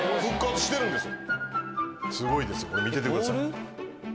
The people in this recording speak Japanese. すごいですよこれ見ててください。